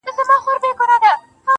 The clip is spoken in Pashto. څه مسته نسه مي پـــه وجود كي ده~